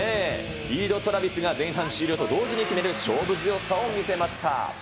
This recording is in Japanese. リード・トラビスが前半終了と同時に決める勝負強さを見せました。